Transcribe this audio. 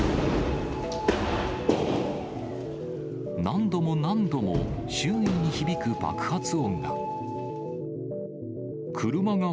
何度も何度も周囲に響く爆発音が。